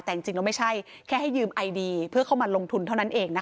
แต่จริงแล้วไม่ใช่แค่ให้ยืมไอดีเพื่อเข้ามาลงทุนเท่านั้นเองนะคะ